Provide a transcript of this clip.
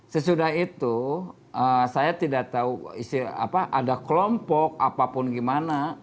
sesudah itu saya tidak tahu apa ada kelompok apapun gimana